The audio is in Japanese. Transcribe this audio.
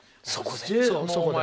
そこで。